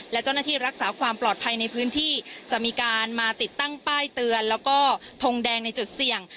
และเจ้าหน้าที่รักษาความปลอดภัยในพื้นที่จะมีการมาติดตั้งป้ายเตือนแล้วก็ทงแดงในจุดเสี่ยง